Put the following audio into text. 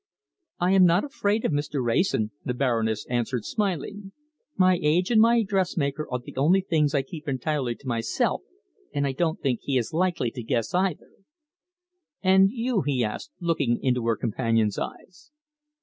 "I am not afraid of Mr. Wrayson," the Baroness answered, smiling. "My age and my dressmaker are the only two things I keep entirely to myself, and I don't think he is likely to guess either." "And you?" he asked, looking into her companion's eyes.